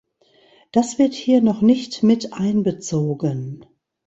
Das wird hier noch nicht mit einbezogen.